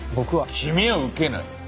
君は受けない。